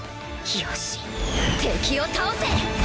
よし！敵を倒せ！